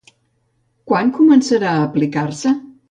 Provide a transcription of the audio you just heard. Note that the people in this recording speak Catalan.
Quan començarà a aplicar-se?